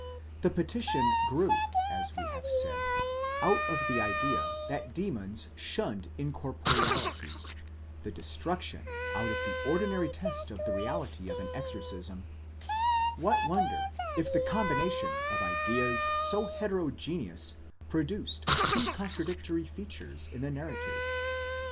The petition grew, as we have said, out of the idea that demons shunned incorporeality, the destruction, out of the ordinary test of the reality of an exorcism ;—what wonder if the combination of ideas so heterogeneous produced two contra dictory features in the narrative